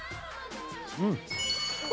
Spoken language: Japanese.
うん！